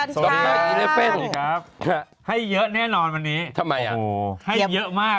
สวัสดีค่ะจันทราบ